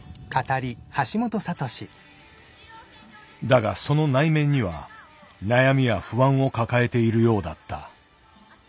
だがその内面には悩みや不安を抱えているようだった。